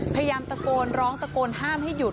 พยายามตะโกนร้องตะโกนห้ามให้หยุด